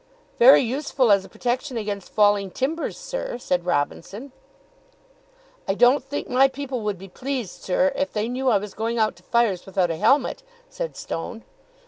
"Very useful as a protection against falling timbers, sir," said Robinson. "I don't think my people would be pleased, sir, if they knew I was going out to fires without a helmet," said Stone.